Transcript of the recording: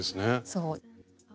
そう。